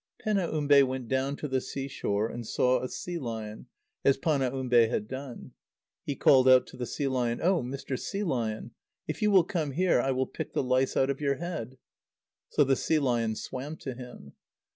Penaumbe went down to the sea shore, and saw a sea lion, as Panaumbe had done. He called out to the sea lion: "Oh! Mr. Sea Lion, if you will come here, I will pick the lice out of your head." So the sea lion swam to him.